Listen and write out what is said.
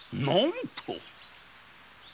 何と！？